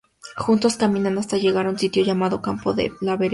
Juntos, caminan hasta llegar a un sitio llamado Campo de la Vereda.